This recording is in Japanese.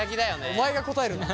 お前が答えるな。